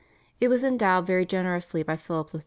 It was endowed very generously by Philip III.